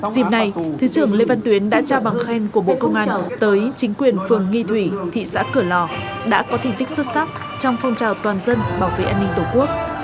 dịp này thứ trưởng lê văn tuyến đã trao bằng khen của bộ công an tới chính quyền phường nghi thủy thị xã cửa lò đã có thành tích xuất sắc trong phong trào toàn dân bảo vệ an ninh tổ quốc